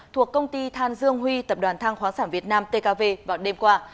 thuộc công ty than dương huy tập đoàn thang hóa sản việt nam tkv vào đêm qua